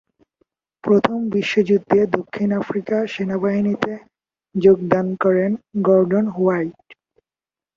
প্রথম বিশ্বযুদ্ধে দক্ষিণ আফ্রিকা সেনাবাহিনীতে যোগদান করেন গর্ডন হোয়াইট।